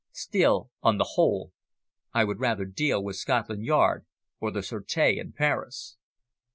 Still, on the whole, I would rather deal with Scotland Yard, or the Surete in Paris."